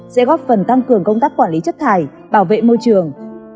sẽ góp phần tăng cường công tác quản lý chất thải bảo vệ môi trường